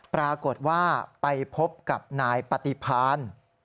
ปรากฏว่าไปพบกับนายปฏิพาน